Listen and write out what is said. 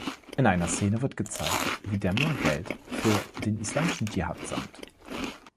In einer Szene wird gezeigt, wie Damrah Geld für den islamischen Dschihad sammelt.